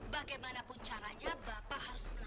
gadasan apa kurapan gitu